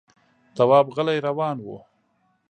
تواب غلی روان و.